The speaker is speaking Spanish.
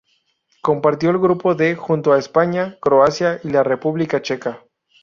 Compartió el grupo D junto a España, Croacia y la República Checa.